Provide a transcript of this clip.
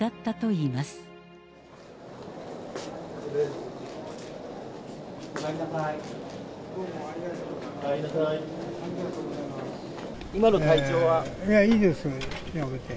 いや、いいです、極めて。